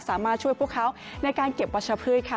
สามารถช่วยพวกเขาในการเก็บวัชพืชค่ะ